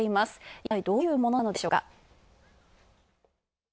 いったいどういうものなのでしょうか。